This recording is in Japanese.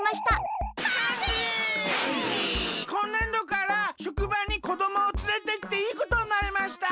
こんねんどからしょくばにこどもをつれてきていいことになりました。